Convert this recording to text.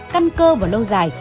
căn cơ và lâu dài